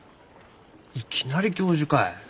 いきなり教授かえ？